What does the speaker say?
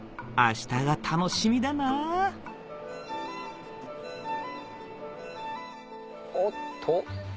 あしたが楽しみだなおっと？